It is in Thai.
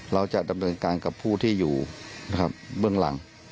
เราจะดำเนินการกับผู้ที่อยู่นะครับเบื้องหลัง